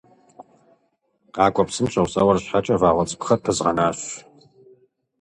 Къакӏуэ псынщӏэу, сэ уэр щхьэкӏэ вагъуэ цӏыкӏухэр пызгъэнащ.